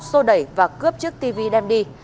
xô đẩy và cướp chiếc tv đem đi